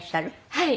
はい。